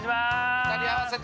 ２人合わせて。